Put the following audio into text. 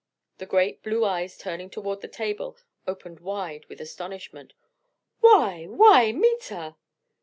The great blue eyes turning toward the table opened wide with astonishment. "Why, why, Meta!"